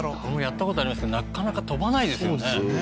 俺もやったことありますけどなかなか飛ばないですよね